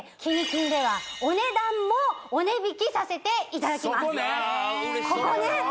金ではお値段もお値引きさせていただきます嬉しいそれですよ